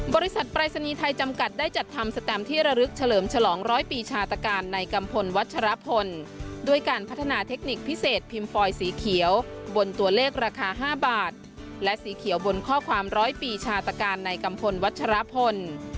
บริษัทปรายศนีย์ไทยจำกัดได้จัดทำสแตมที่ระลึกเฉลิมฉลองร้อยปีชาตการในกัมพลวัชรพลด้วยการพัฒนาเทคนิคพิเศษพิมพ์ฟอยสีเขียวบนตัวเลขราคา๕บาทและสีเขียวบนข้อความร้อยปีชาตการในกัมพลวัชรพล